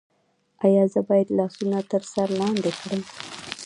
ایا زه باید لاسونه تر سر لاندې کړم؟